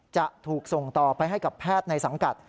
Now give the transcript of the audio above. จะถูกส่งต่อไปให้กับแพทย์ในสังกัด